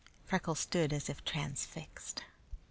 Freckles stood as if transfixed.